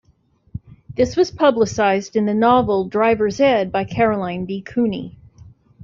This was publicized in the novel "Driver's Ed" by Caroline B. Cooney.